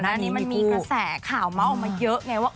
อันนี้มันมีกระแสข่าวเมาส์ออกมาเยอะไงว่า